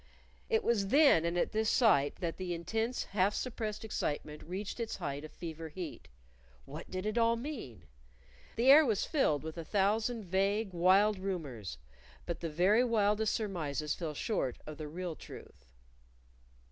It was then and at this sight that the intense half suppressed excitement reached its height of fever heat. What did it all mean? The air was filled with a thousand vague, wild rumors but the very wildest surmises fell short of the real truth.